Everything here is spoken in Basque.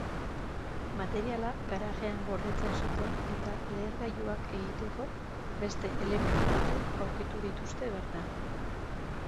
Materiala garajean gordetzen zuten eta lehergailuak egiteko beste elementu batzuk aurkitu dituzte bertan.